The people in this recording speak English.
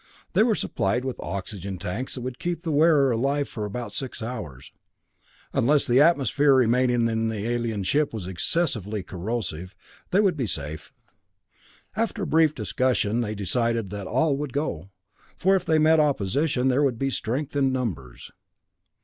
They were supplied with oxygen tanks that would keep the wearer alive for about six hours. Unless the atmosphere remaining in the alien ship was excessively corrosive, they would be safe. After a brief discussion, they decided that all would go, for if they met opposition, there would be strength in numbers.